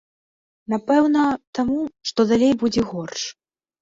Напэўна, таму, што далей будзе горш.